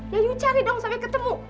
ya yuk cari dong sampai ketemu